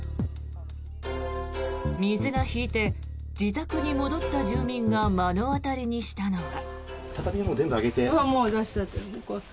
水が引いて自宅に戻った住民が目の当たりにしたのは。